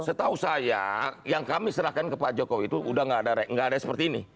setahu saya yang kami serahkan ke pak jokowi itu udah nggak ada seperti ini